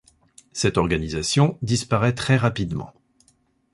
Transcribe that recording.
Cette organisation disparaît très rapidement.